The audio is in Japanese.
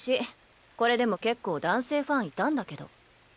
これでも結構男性ファンいたんだけど。